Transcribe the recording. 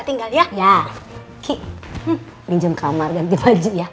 ki rinjam kamar ganti baju ya